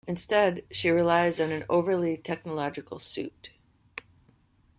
Instead, she relies on an overtly technological suit.